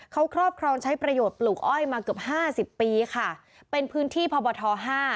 เขาครอบครองใช้ประโยชน์ปลูกอ้อยมาเกือบห้าสิบปีค่ะเป็นพื้นที่พบทห้า